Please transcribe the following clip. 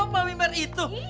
mami mer itu